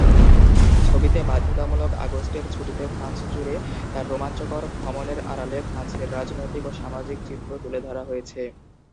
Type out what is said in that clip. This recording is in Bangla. ছবিতে বাধ্যতামূলক আগস্টের ছুটিতে ফ্রান্স জুড়ে তার রোমাঞ্চকর ভ্রমণের আড়ালে ফ্রান্সের রাজনৈতিক ও সামাজিক চিত্র তুলে ধরা হয়েছে।